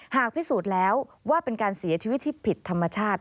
หากพิสูจน์แล้วว่าเป็นการเสียชีวิตที่ผิดธรรมชาติ